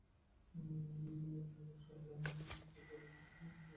ঢাকার শাপলা চত্বরে সেদিন হেফাজতে ইসলামের কর্মীরা গিয়েছিলেন নাস্তিকদের বিরুদ্ধে আন্দোলন করতে।